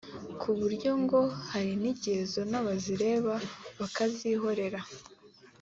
ku buryo ngo hari n’igihe zona bazireba bakazihorera